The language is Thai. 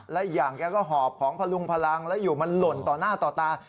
และอีกอย่างแกก็หอบของพลุงพลังแล้วอยู่มันหล่นต่อหน้าต่อตา